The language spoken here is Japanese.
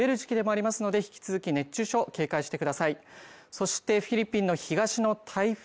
そしてフィリピンの東の台風